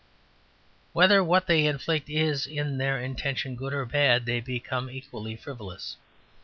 Whether what they inflict is, in their intention, good or bad, they become equally frivolous.